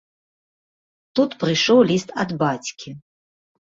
Тут прыйшоў ліст ад бацькі.